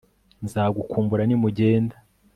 nzagukumbura nimugenda